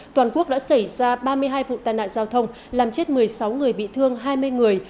toàn quốc đã xảy ra ba mươi hai vụ tai nạn giao thông làm chết một mươi sáu người bị thương hai mươi người